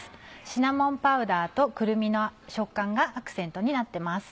シナモンパウダーとくるみの食感がアクセントになってます。